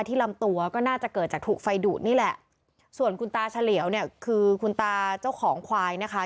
ลำตัวก็น่าจะเกิดจากถูกไฟดูดนี่แหละส่วนคุณตาเฉลียวเนี่ยคือคุณตาเจ้าของควายนะคะ